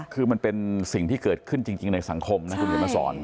คือมันเป็นสิ่งที่เกิดขึ้นจริงในสังคมนะคุณเขียนมาสอน